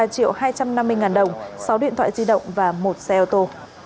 ba triệu hai trăm năm mươi ngàn đồng sáu điện thoại di động và một xe ô tô